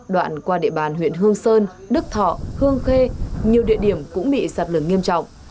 đoạn qua địa bàn huyện hương sơn đức thọ hương khê nhiều địa điểm cũng bị sạt lở nghiêm trọng